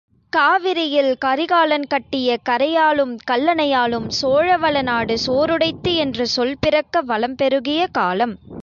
காவிரியில் கரிகாலன் கட்டிய கரையாலும், கல்லணையாலும், சோழ வளநாடு சோறுடைத்து என்ற சொல் பிறக்க வளம் பெருகிய காலம்.